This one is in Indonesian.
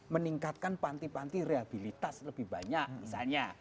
meningkatkan panti panti rehabilitas lebih banyak misalnya